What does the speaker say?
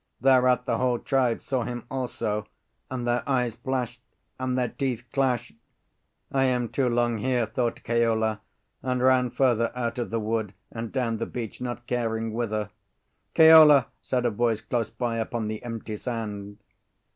Thereat the whole tribe saw him also, and their eyes flashed, and their teeth clashed. "I am too long here," thought Keola, and ran further out of the wood and down the beach, not caring whither. "Keola!" said, a voice close by upon the empty sand.